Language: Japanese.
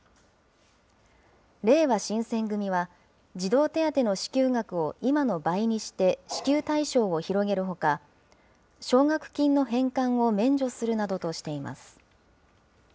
れいわ新選組は、児童手当の支給額を今の倍にして、支給対象を広げるほか、奨学金の返還を免除するなどとしています。